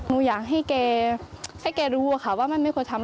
หนูอยากให้แกให้แกรู้ว่ามันไม่ควรทำ